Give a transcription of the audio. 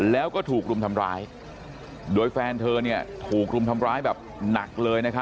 แล้วก็ถูกรุมทำร้ายโดยแฟนเธอถูกรุมทำร้ายแบบหนักเลย